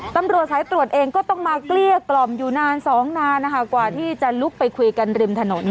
ตำรวจสายตรวจเองก็ต้องมาเกลี้ยกล่อมอยู่นานสองนานนะคะกว่าที่จะลุกไปคุยกันริมถนน